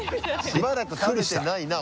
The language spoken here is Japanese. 「しばらく食べてないな」